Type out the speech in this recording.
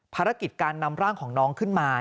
ภารกิจการนำร่างของน้องขึ้นมา